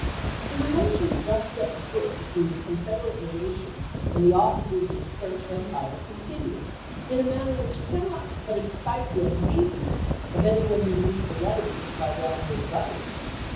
The relations thus set on foot between the Con federate Legation and the officers of the French empire continued in a manner which cannot but excite the amazement of any one who reads the letters of Slidell to his Government.